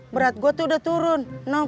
berat gue tuh udah turun